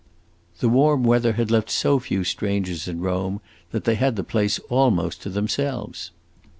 The warm weather had left so few strangers in Rome that they had the place almost to themselves.